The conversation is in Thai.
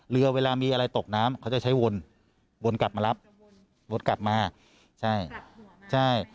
เวลามีอะไรตกน้ำเขาจะใช้วนวนกลับมารับวนกลับมาใช่ใช่